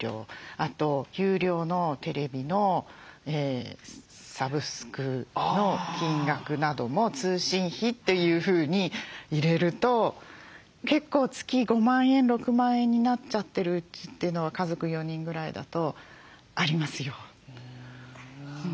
あと有料のテレビのサブスクの金額なども通信費というふうに入れると結構月５万円６万円になっちゃってる家というのは家族４人ぐらいだとありますよ。